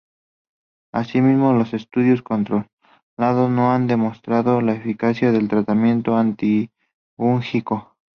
Asimismo, los estudios controlados no han demostrado la eficacia del tratamiento antifúngico.